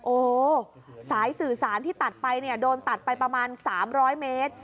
โอ้โหสายสื่อสารที่ตัดไปเนี่ยโดนตัดไปประมาณ๓๐๐เมตร